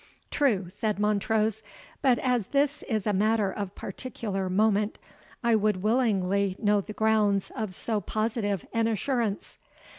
"True," said Montrose; "but as this is a matter of particular moment, I would willingly know the grounds of so positive an assurance."